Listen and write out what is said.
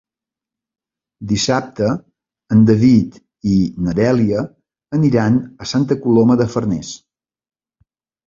Dissabte en David i na Dèlia aniran a Santa Coloma de Farners.